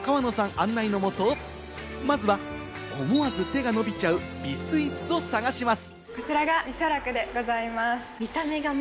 案内のもと、まずは思わず手が伸びちゃう、美スイーツを探し、待つ。